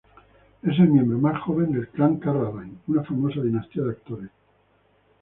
Es el miembro más joven del "clan" Carradine, una famosa dinastía de actores.